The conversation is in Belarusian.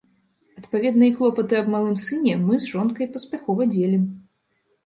Адпаведна, і клопаты аб малым сыне мы з жонкай паспяхова дзелім.